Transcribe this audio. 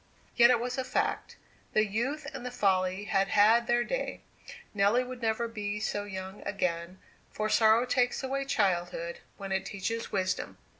Yet it was a fact; the youth and the folly had had their day. Nelly would never be so young again, for sorrow takes away girlhood when it teaches wisdom.